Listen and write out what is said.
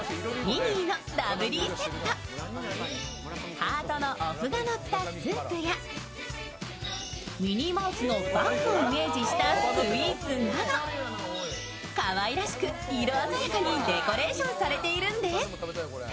ハートのおふがのったスープやミニーマウスのバッグをイメージしたスイーツなど、かわいらしく、色鮮やかにデコレーションされているんです。